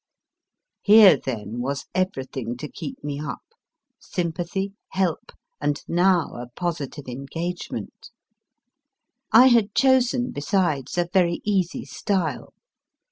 Here, then, was everything to keep me up, sympathy, help, and now a positive engagement I had chosen besides a very easy style.